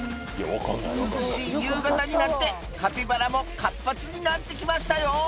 涼しい夕方になってカピバラも活発になって来ましたよ